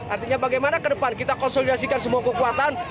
artinya bagaimana ke depan kita konsolidasikan semua kekuatan